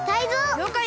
りょうかい！